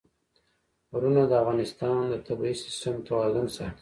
غرونه د افغانستان د طبعي سیسټم توازن ساتي.